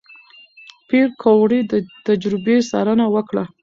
پېیر کوري د تجربې څارنه وکړه.